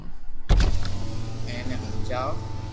ايني ھمجاو